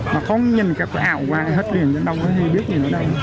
mà không nhìn cái ảo qua hết cái hình ảnh đâu hay biết gì nữa đây